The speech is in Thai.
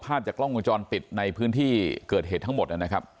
จากกล้องวงจรปิดในพื้นที่เกิดเหตุทั้งหมดนะครับ